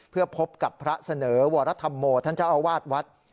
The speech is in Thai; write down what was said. เพื่อพบกับพระเสนอวรธรรมโมท่านเจ้าอาวาสวัด